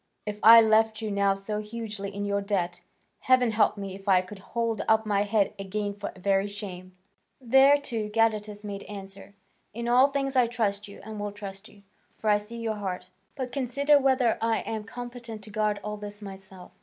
If I left you now so hugely in your debt, heaven help me if I could hold up my head again for very shame." Thereto Gadatas made answer, "In all things I trust you, and will trust you, for I see your heart. But consider whether I am competent to guard all this myself.